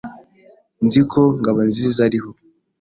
Nzi ko Ngabonziza ariho.